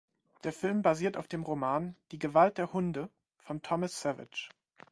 Der Film basiert auf dem Roman "Die Gewalt der Hunde" von Thomas Savage.